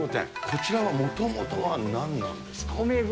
こちらはもともとはなんなんですか？